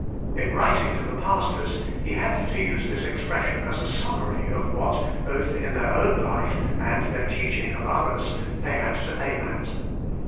In 3 writing to the pastors he had to use this i expression as a summary of what, both in j their own life and their teaching of others, j they had to aim at.